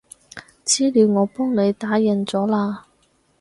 資料我幫你打印咗喇